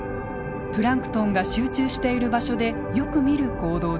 プランクトンが集中している場所でよく見る行動です。